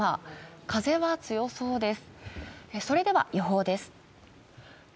風は強そうです。